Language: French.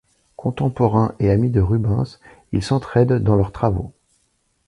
Contemporain et ami de Rubens, ils s'entre-aident dans leurs travaux.